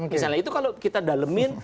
misalnya itu kalau kita dalemin